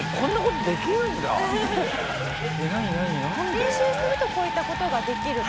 練習するとこういった事ができると。